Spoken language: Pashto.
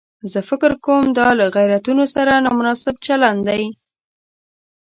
زه فکر کوم دا له غیرتونو سره نامناسب چلن دی.